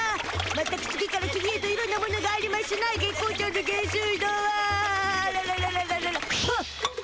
まったく次から次へといろんなものがありましゅな月光町の下水道はあらららららら。